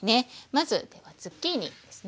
まずではズッキーニですね。